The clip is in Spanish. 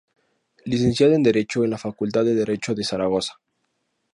Licenciado en Derecho en la Facultad de Derecho de Zaragoza.